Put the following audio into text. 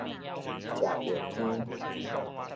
食著羹